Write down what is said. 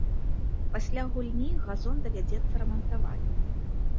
Пасля гульні газон давядзецца рамантаваць.